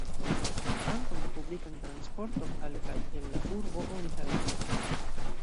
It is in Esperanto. Ankaŭ la publikan transporton al kaj el la urbo oni haltigis.